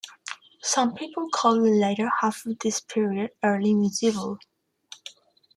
Some people call the later half of this period "Early Medieval".